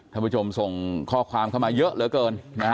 ท่านผู้ชมส่งข้อความเข้ามาเยอะเหลือเกินนะฮะ